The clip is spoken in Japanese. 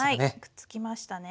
くっつきましたね。